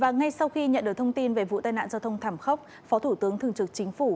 ngay sau khi nhận được thông tin về vụ tai nạn giao thông thảm khốc phó thủ tướng thường trực chính phủ